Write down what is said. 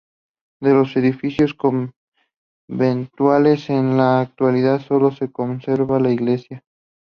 De los edificios conventuales, en la actualidad sólo se conserva la iglesia.